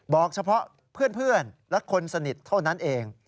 เฉพาะเพื่อนและคนสนิทเท่านั้นเอง